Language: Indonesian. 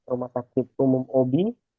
rumah taksit umum obi